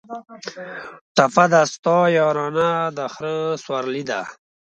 ټپه ده: ستا یارانه د خره سورلي ده